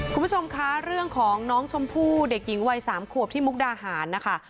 คุณผู้ชมคะเรื่องของน้องชมพู่เด็กหญิงวัย๓ขวบที่มุกดาหารนะคะ